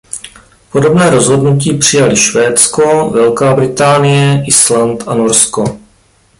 Podobné rozhodnutí přijaly Švédsko, Velká Británie, Island a Norsko.